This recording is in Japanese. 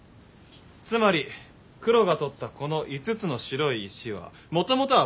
つまり黒が取ったこの５つの白い石はもともとは盤上にあったもの。